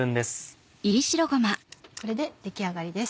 これで出来上がりです。